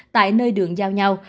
tại nơi đường giao nhau